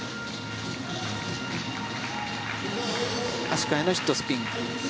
足換えのシットスピン。